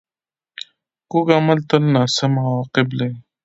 کوږ عمل تل ناسم عواقب لري